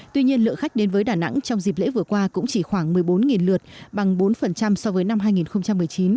tuy nhiên lượng khách đến với đà nẵng trong dịp lễ vừa qua cũng chỉ khoảng một mươi bốn lượt bằng bốn so với năm hai nghìn một mươi chín